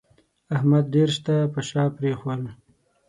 احمد ډېر شته پر شا پرېښول